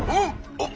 あっ！